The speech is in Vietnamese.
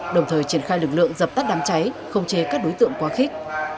đồng thời triển khai lực lượng dập tắt đám cháy không chế các đối tượng quá khích